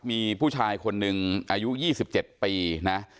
มีผู้ชายคนหนึ่งอายุยี่สิบเจ็ดปีนะ